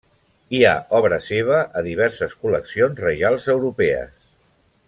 Hi ha obra seva a diverses col·leccions reials europees.